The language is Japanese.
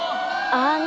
あの。